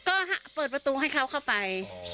ก็เปิดประตูให้เขาเข้าไป